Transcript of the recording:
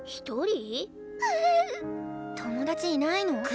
友達いないの？